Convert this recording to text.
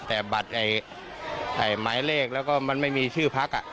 แต่บัตรหมายเลขแล้วก็มันไม่มีชื่อพัก